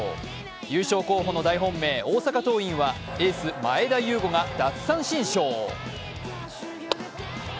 優勝候補の大本命、大阪桐蔭はエース・前田悠伍が奪三振ショー。